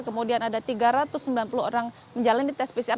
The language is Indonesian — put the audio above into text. kemudian ada tiga ratus sembilan puluh orang menjalani tes pcr